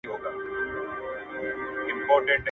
نارينه پدې شرط بل واده کولای سي، چي عدالت او قَسم به کوي.